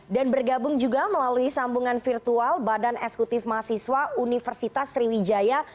dan bergabung juga melalui sambungan virtual badan esekutif mahasiswa universitas sriwijaya